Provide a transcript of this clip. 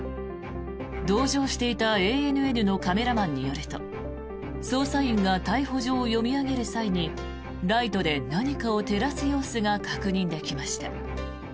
同乗していたＡＮＮのカメラマンによると捜査員が逮捕状を読み上げる際にライトで何かを照らす様子が確認できました。